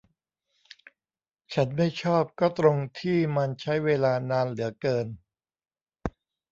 ฉันไม่ชอบก็ตรงที่มันใช้เวลานานเหลือเกิน